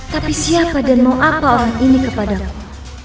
tapi siapa dan mau apa orang ini kepadamu